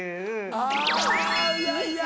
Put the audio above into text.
あぁいやいや。